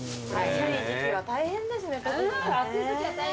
暑いときは大変ですね。